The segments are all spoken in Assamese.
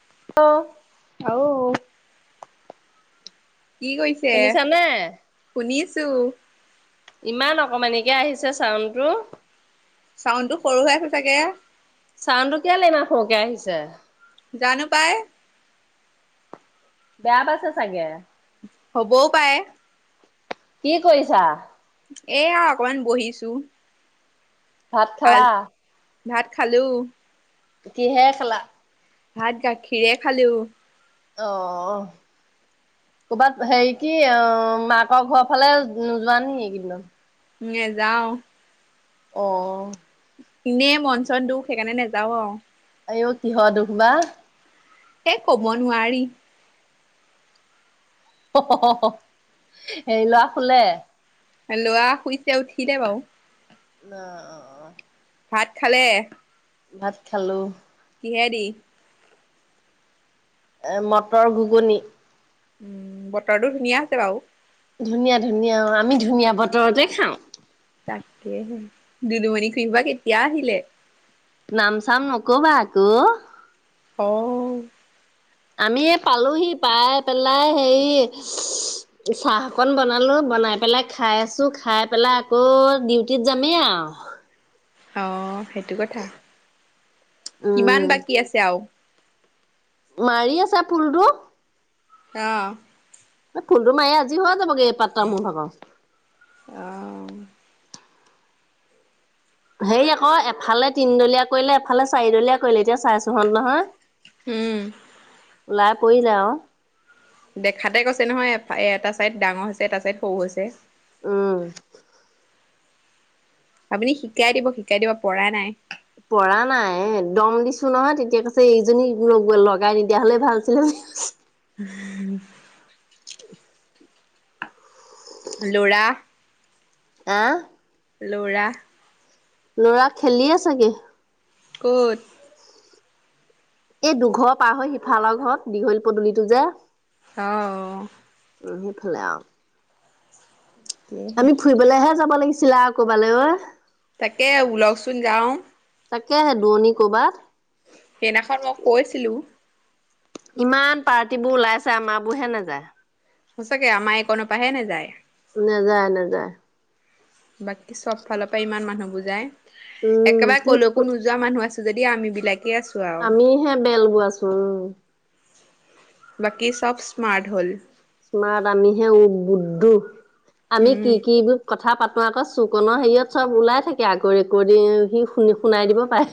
[unintelligible] অও কি কৰিছে? শুনিছানে? শুনিছ চু ইমান অকমানিকে আহিছে চাউনটো। চাউণ্ডটো সৰু হৈ আছে চাগে। চাউনটো কেলে ইমান সৰুকে আহিছে? জানো পায়। বেয়া পাইছে চাগে। হ'বও পাৱে কি কৰিছা? এয়া অকমান বহিছো। ভাত আল খালা? ভাত খালো। কি হেৰে খালা? ভাত গাখীৰে খালো। অ কৰ'বাত হেৰি কি অ মাকৰ ঘৰৰ ফালে নোযোৱা নে কি [unintelligible] নেযাওঁ। অ এনেই মন, চন দুখ সেইকাৰণে নাযাও আওঁ। আইও কিহৰ দুখ বা! সেই ক'ব নোৱাৰি। হে ল'ৰা শুলে? ল'ৰা শুইছে উঠিলে বাৰু। ন' অ', অ'। ভাত খালে? ভাত খালোঁ। কিহেদি? এ মটৰ ঘুগুনি। উম, বতৰটো ধুনীয়া আছে বাৰু। ধুনীয়া, ধুনীয়া, অ', আমি ধুনীয়া বতৰতে খাওঁ। তাকেহে। দুদুমণি খুহিবা, কেতিয়া আহিলে? নাম ছাম নকবা আক। অহ। আমি পালোহি। পাই পেলাই হে চাহ অকন বনালো, বনাই পেলাই খাই আছোঁ। খাই পেলাই আকৌ ডিউটিত যামেই আৰু। অ, সেইটো কথা। কিমান উম বাকী আছে আৰু? মাৰি আছা ফুলটো? আহ। ফুলটো মাৰি আজৰি হ' যাবগে এই পাত্তা মো ভাগ। অঁ হেই আকৌ। এফালে তিনদলীয়া কৰিলে, এফালে চাৰিডলীয়া কৰিলে। এতিয়া চাইছোঁহত নহয়। হম। ওলাই পৰিলে আৰু। দেখাতে কৈছে নহয় এফা- এটা চাইদ ডাঙৰ হৈছে এটা চাইদ সৰু হৈছে। উম্। আপুনি শিকাই দিব, শিকাই দিব পৰাই নাই। পৰা নাই, এ। দম দিছো নহয় তেতিয়া কৈছে এইজনী লগাই নিদিয়া হলে ভাল‌ আছিলে বুলি কৈছে। আ ল'ৰা, আহ? ল'ৰা, লৰা খেলিয়ে চাগে। ক'ত? এই দুঘৰ পাৰ হৈ সিফালৰ ঘৰত দীঘল পদলিটো যে। অ অহ। ইহি ফালে আও। আমি ফুৰিবলেহে যাব লাগিছ ছিলা ক'বালৈ ঐয়ে। তাকে ওলকচোন যাও। তাকেহে দোৱণী ক'বাত। সেইদিখন মই কৈছিলো। ইমান পাৰ্টিবোৰ ওলাইছে আমাৰবোৰ হে নাযায়। সঁচাকে আমাৰ কনপাহে নেযায়। নেযায় নেযায়। বাকী চব ফালৰ পৰা ইমান মানুহ বুজ যায় উম একেবাৰে কলকো নোযোৱা মানুহ আছে যদি আমি বিললোক আমি হে বেলগোৱাছো, উম। বাকী চব স্মাৰট হ'ল। স্মাৰ্ট আমিহে উ বুদ্ধো। আমি উম কি কিৰ কথা পাতো আপোনালোকৰ চুকনৰ হেৰিয়ত চব ওলাই থাকে আগৌ, ৰেকৰ্ডি, সি শুনি শুনাই দিব পাৰে।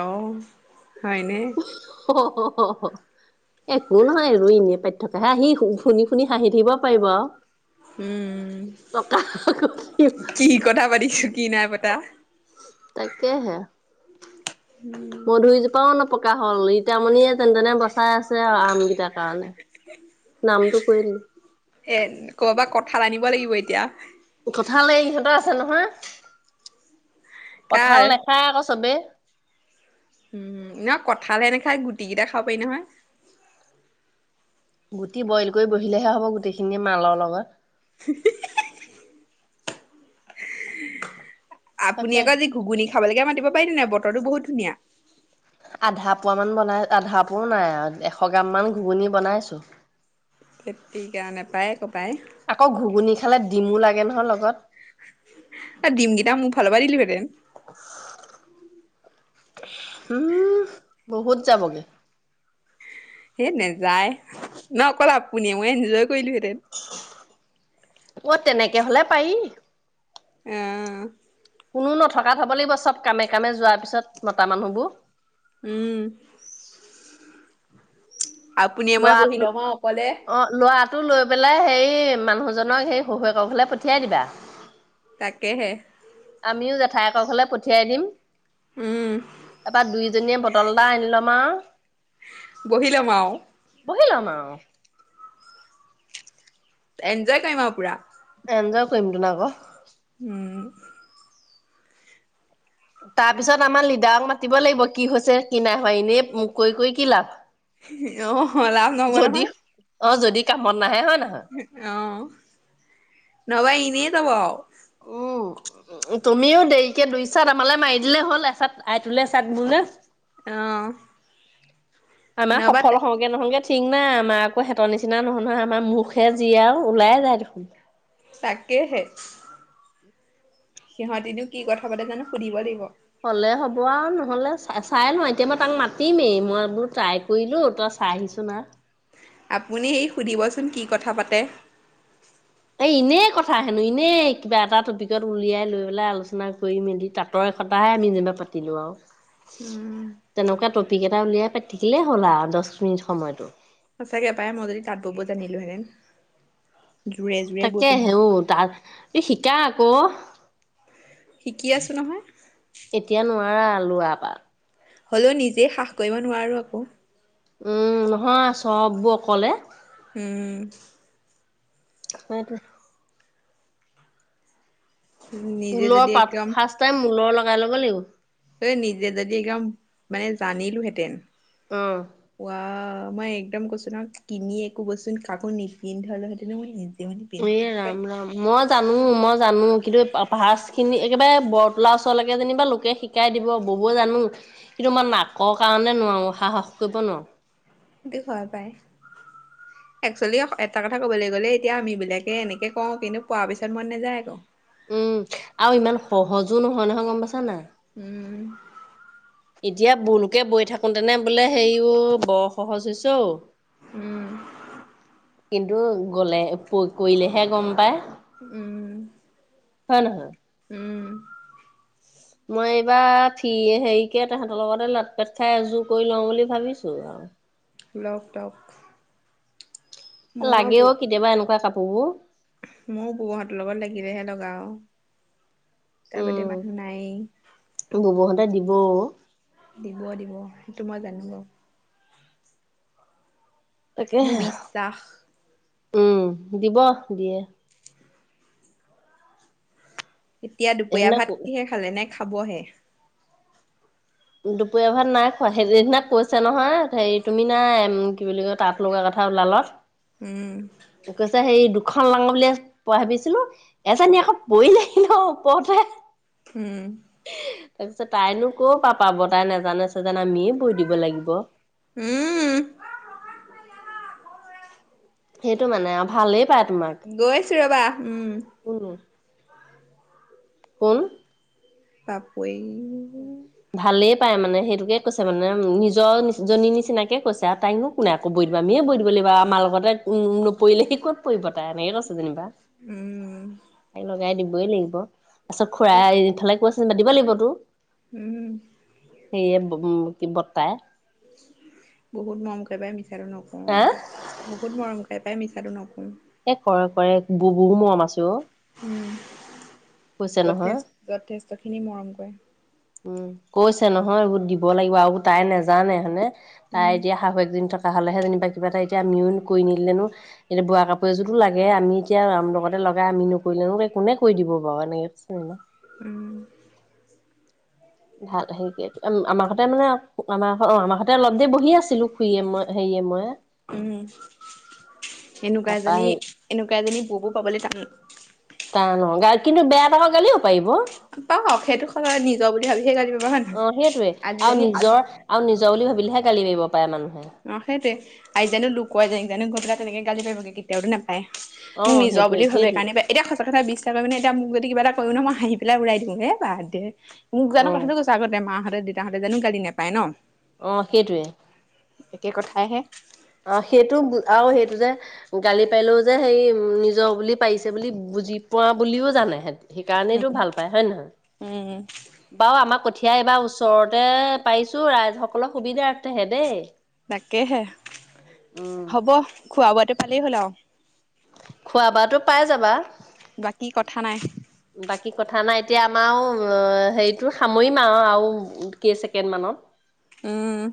অঁহ। হয়নে? অ' অ, একো নহয় ইনে পাতিথকা হে আহি, ই শুনি শুনি হাঁহি থাকিব পাৰিব আৰু। উম পকা কৰিম কি কথা পাতিছো, কি নাই পাত বা তাকাকেহে মধুৰিজোপাও নপকা হ'ল, ৰীতামণিয়ে যেন তেনে বচাই আছে আৰু আমকেইটাৰ কাৰণে, নামটো কৰিলো এ কৰ'বাত কথাাল আনিব লাগিব এতিয়া কঠাল এ' ইহঁতৰ আছে নহয়। কাৰ কঁঠাল নাখায় আকৌ চবেই। উম নহয় কঠালে এনে খাই, গুটিকেইটা খাব পাৰি নহয়। গুটি বইল কৰি বহিলেহে হ'ব, গোটেইখিনিে মালৰ লগত। [unintelligible] উ [unintelligible] আপুনি তাকে আকৌ আজি ঘুগুনি খাবলৈকে মাতিব পাৰি ন নাই, বতৰো বহুত ধুনীয়া। ভোপোৱা মান বনাই, আধা কাপোৰো নাই আৰু, এশ গ্ৰামান ঘুগুনি বনাইছো খেতি কাৰণে পায় ককায়ে আকৌ ঘুগুনি খালে ডিমো লাগে নহয় লগত। আৰু ডিমকিটা মোক ভালৰ পৰা দিলি হেঁতেন। উম, বহুত যাবগে। সেই নেযায়, ন অকল আপুনি মই এনজয় কৈলু হেতেন। ও' তেনেকে হলে পাৰি। আঁহ। কোনো নথকাত থ হব লাগিব, চব কামে কামে যোৱাৰ পিছত, মতা মানুহবোৰ। উম। আপুনিয়ে মই লৰা, বহি ল'ম আৰু অকলে অঁ লৰাটো লৈ পেলাই সেই মানুহজনক সেই শ কশলৈ পঠিয়াই দিবা। তাকেহে। ক' হলে পঠিয়াই দিম। উম তাৰপৰা দুই দুজনীয়ে বটল এটা আনি ল'ম আৰু বহি লম আৰু বহিলম আৰু এনজয় কৰিম আৰু পুৰা এনজয় কৰিম তো আকৌ উম তাৰ পিছত আমাৰ লিডাৰক মাতিব লাগিব কি হৈছে কি নাই হয় এনেই মোক কৰি কৰি কি লাভ আহ অ লভ নহব যদি নহয়। অ যদি কামত নাহে হয় ন অ নবায় ইনে য়াব উম তুমিও দেৰিকে দুই চাত আমালৈ মাৰি দিলে হ'ল এচাত আই তুলে চাত বোলে। আহ আমাৰ সফল হওঁগে নহগে চিঙমা আমাৰ আকৌ হঁতৰ নিচিনা নহয় নহয় আমাৰ মুখে যি আৰু ওলাই যায় দেখোন। তাকেইহে। সিহঁতিনো কি কথা পাতে জানো সুধিব লাগিব হলে হ'ব আৰু নহলে চ চাই লওঁ এতিয়া মই তাক মাতিমেই মই এইবোৰ ট্ৰাই কৰিলো তই চাই আহিছ না আপুনি এই সুধিবচোন কি কথা পাতে এই এনেই কথা হেনো এনেই কিবা এটা টপিকত উলিয়াই লৈ পেলাই আলোচনা কৰি মেলি তাঁতৰ এতাহে আমি যেনিবা পাতিলো আৰু উম, তেনেকুৱা টপিক এটা উলিয়াই পাতিকিলে হ'ল আৰু দহ মিনিট সময়তো সঁচাকে পায় মই য়দি তাঁত, বব জানিলো হেঁতেন তাকে হেও তাৰ এই শিকা আকৌ শিকি আছো নহয়। মৰা লোৱা পাত হ'লেও নিজেই হাহ কৰিব নোৱাৰো আকৌ উম নহয় চববোৰ অকলে উম হয়টো নিজে ঊলৰ যদি পাত একদম ফাৰ্ষ টাইম ঊলৰ লগ ভাল ল'ব লাগিব এ নিজে যদি একদম মানে জানিলোহেঁতেন। অ কোৱা অ মই একদম কৈছো ন কিনি একো বস্তু কাকো নিপিন্ধে হলেহেতেো মই মানে এ পিন্ধি ৰাম ৰাম মই জানো মই জানো কিন্তু পাহ খিনি একেবাৰে বৰৰতলাৰ ওচৰলৈকে যেনিবা লোকে শিকাই দিব ববুৱে জানো কিন্তু আমাৰ নাকৰ কাৰণে নোৱাৰো সাহস কৰিব নোৱাৰো। স ভাল পাই একচেলি এটা কথা কবলৈ গ'লে এতিয়া আম বিলাকে এনেকে কওঁ কিন্তু পোৱাৰ পিছত মন নেযায় আকৌ উম আৰু ইমান সহজো নহয় নহয় গম পাইছা না উম এতিয়া বুলোকে বৈ থাকোতেনে বোলে হেৰিও বৰ সহজ হৈছে উ', উম। কিন্তু গ'লে কৰিলেহে গম পায়। উম। হয় নহয়। উম। মই এইবাৰ ফ্ৰী হেৰিকে তহঁতৰ লগতে লাট পেট খাই এযোৰ কৰি লওঁ বুলি ভাবিছো আৰু। লক গক। লাগে অ' কেতিয়াবা এনেকুৱা কাপোৰ। বোৰ। ময়ো বৈ হতৰ লগত লাগিলেহে লগা আৰু। তাৰ বাদে উম মানুহ নাইয়েই। ববৌহঁতে দিব অ', দিব-দিব সেইটো মই জানো ন। মোৰ তাকেহে বিশ্বাস উম' দিব দিয়ে। এতিয়া দুপীয়া সেইদিনা ভাত কিহে খালে নে? খাবহে? দুপৰীয়া ভাত নাই খোৱা সেইদিনা কৈছে নহয় হেৰি তুমি নাই কি বুলি কয় তাঁত লগা কথা ওলাল, উম, কৈছে সেই খন লাঙ বুলি প ভাবিছিলো এজনী আকৌ পৰিলেহি নহয় ওপৰতে। উম। তাৰপিছত তাইনো কও পাপ ব তাই নাজানে চ যোন আমিয়ে বৈ দিব লাগিব। উম। সেইটো মানে আৰু ভালেই পায়। তোমাক গৈছো ৰবা উম। কোন কোন? পাপৰি। ভালেই পাই মানে সেইটোকে কৈছে মানে নিজৰ নি জনীৰ নিচিনাকে কৈছে। তাইনো কোনে আক বৈ দিব আমিয়ে বৈ বুলি আমাৰ লগতে উম নপৰিলে সি ক'ত পৰিব তাই এনেকে আছে যেনিবা। উম। ত লগাই দিবই লাগিব। পাছত খুৰা এফালে কৈছে মাদিব লাগিব তো। উম। সেইয়া উম। টি বৰ্তাই। বহুত মৰম কৰে পাই মি আহ [unintelligible] বহুত মৰম কৰে তাই মিছাটো নকম এ কৰে কৰে, বহুত মৰম আছে অঁ। উম। যথেছ যথেষ্টখিনি মৰম কৰে। উম কৈছে নহয় এইবোৰ দিব লাগিব আৰু এবোৰ তাই নেজানে হয়নে। উম তাই এতিয়া শাহুৱেকজনী থকা তাহ লেহে যেনিবা কিবা এটা এতিয়া আমিও কৰি নদিলেনো এতিয়া বোৱা কাপোৰ এযোৰতো লাগে আমি এতিয়া লগতে লগাই আমি নকৰিলেনো কোনে কৰি দিব। [unintelligible] উম। ভাল হেৰি কে, আমাৰ সতে মানে আমাৰ অ আমাৰ সতে অলপ দেৰি বহি আছিলো। খুৰীয়ে মই হেৰিয়ে মই উম, এনেকুৱা তাৰপা এজনী হেৰি -এনেকুৱা এজনী ব'ব পাবলৈ টান। তান অ, কিন্তু বেয়া পাব গালিও পাৰিব। পাওক, সেইটো [unintelligible] নিজৰ বুলি ভাবিহে গালি পাৰিব হয় অ', সেইটয়ে নহয় আৰু আজিজনী আজি নিজৰ আৰু নিজ- জৰ বুলি ভাবিলেহে গালি পাৰিব। পাৰে মানুহে অ', সেইটোৱে, আইজানো লোক কোৱা যায়, জানো গৈ পেলাই তেনেকৈ গালি পাৰিব নো, কেতিয়াওটো না অ [unintelligible] মোক নিজৰ সেইটোৱে বুলি ভাবে, সেইটোৱে কাৰণে এতিয়া সঁচা কথা বি বিশ্বাস কৰে মানে, এতিয়া মোক যদি কিবা এটা কৈও ন মই হাঁহি পেলাই উৰাই দিওঁ, হে বাদ দে। মোক অ জানো কথাটো কৈছে আগতে মাহঁতে দেউতাহঁতে জানো গালি নাপায়ে ন। অ', সেইটোৱে। একে কথাইহে। অ', সেইটো আৰু সেইটো যে গালি পাৰিলেও যে সেই নিজৰ বুলি পাৰিছে বুলি বুজি পোৱা বুলিও জানে, সেত উম, সেইকাৰণেইটো ভাল পায় হয়ে নহয়, উম, বাৰু আমাৰ কঠ এতিয়া এইবাৰ ওচৰতে পাৰিছোঁ ৰাইজসকলৰ সুবিধাৰথেহে দেই। তাকেহে হ'ব খোৱা বোৱাটো পালেই হ'ল আৰু। খোৱা বোৱাটো পাই যাবা। বাকী কথা নাই। বাকী কথা নাই এতিয়া আমাৰ আও হেৰিটো সামৰিম আৰু আৰু কেই ছেকেণ্ড মানত। উম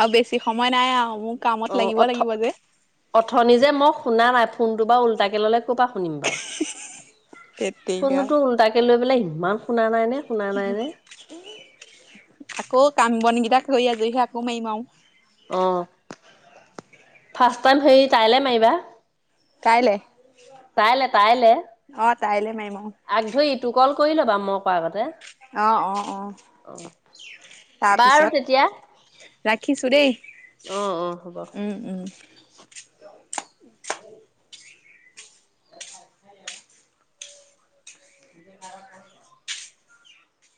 আৰু বেছি সময় নাই আৰু মোক অঁ, অথ অথনি যে মই শুনা নাই ফোনটো বা ওল্টাকে ল'লে ক'পা শুনিম বাৰু, ধেত তেৰিকা। ফোনোতো ওল্টাকে লৈ পেলাই ইমান শুনা নাই নে? শুনা নাই নে আকৌ কাম বনকেইটা কৰি আজৰি হৈ আকৌ মাৰিম আও অ ফাৰ্ষ্ট টাইম সেই তাইলে মাৰিবা কাইলে তাইলে তাইলে অ', কাইলে মাৰিম আৰু আগ ধৰি ইটো কল কৰি ল'বা মই কৰা আগতে অ অ অ অ বাৰু তেতিয়া তাৰপিছত ৰাখিছো দেই অ অ হ'ব উম উম [unintelligible]